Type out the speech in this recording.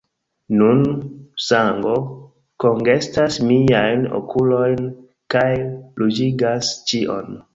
Nun, sango kongestas miajn okulojn, kaj ruĝigas ĉion.